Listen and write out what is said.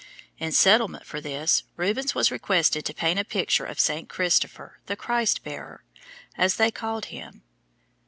In settlement for this Rubens was requested to paint a picture of St. Christopher, the Christ Bearer, as they called him.